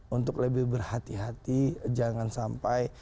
untuk lebih berhati hati jangan sampai